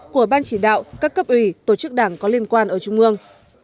của ban chỉ đạo các cấp ủy tổ chức đảng có liên quan ở trung ương